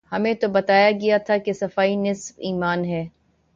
ہمیں تو بتایا گیا تھا کہ صفائی نصف ایمان ہے۔